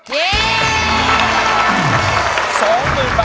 ๒หมื่นบาทตามเป้า